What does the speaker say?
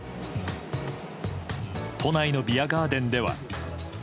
都内のビアガーデンでは。